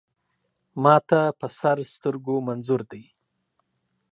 ما ته په سر سترګو منظور دی.